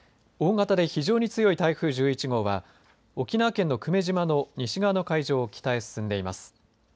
大型で非常に強い台風１１号は沖縄県の久米島の西側の海上を北へ進んでいます。